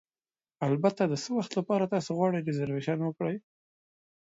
البته، د څه وخت لپاره تاسو غواړئ ریزرویشن وکړئ؟